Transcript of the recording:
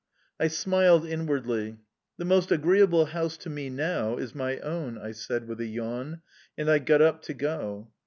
I smiled inwardly. "The most agreeable house to me now is my own," I said, with a yawn, and I got up to go.